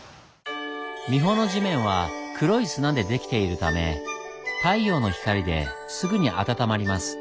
三保の地面は黒い砂でできているため太陽の光ですぐにあたたまります。